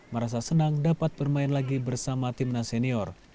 merasa senang dapat bermain lagi bersama tim nasional